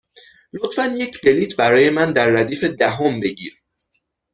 لطفا یک بلیط برای من در ردیف دهم بگیر.